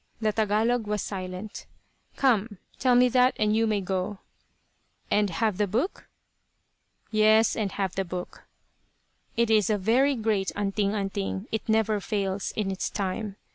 The Tagalog was silent. "Come. Tell me that, and you may go." "And have the book?" "Yes; and have the book." "It is a very great 'anting anting.' It never fails in its time.